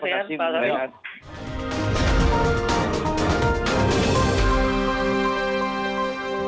terima kasih pak rino